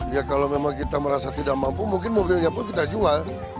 ya kalau memang kita merasa tidak mampu mungkin mobilnya pun kita jual